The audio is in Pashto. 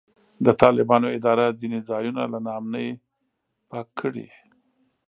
د طالبانو اداره ځینې ځایونه له نا امنۍ پاک کړي.